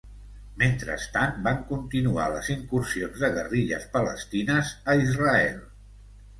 Mentrestant, van continuar les incursions de guerrilles palestines a Israel.